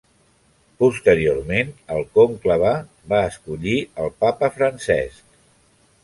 Posteriorment el conclave va escollir el Papa Francesc.